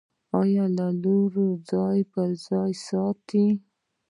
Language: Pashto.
ایا له لوړ ځای ځان وساتم؟